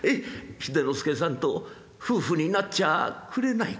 秀之助さんと夫婦になっちゃあくれないか？」。